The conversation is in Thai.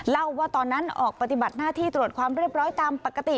เล่าว่าตอนนั้นออกปฏิบัติหน้าที่ตรวจความเรียบร้อยตามปกติ